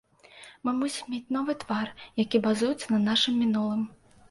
Мы мусім мець новы твар, які базуецца на нашым мінулым.